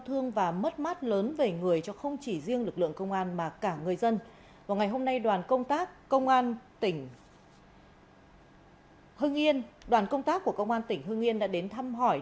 hưng yên đoàn công tác của công an tỉnh hương yên đã đến thăm hỏi